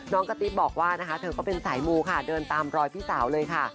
กะติ๊บบอกว่านะคะเธอก็เป็นสายมูค่ะเดินตามรอยพี่สาวเลยค่ะ